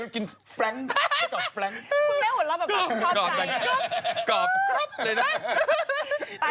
คุณแม่หัวเราะแบบกอบใจ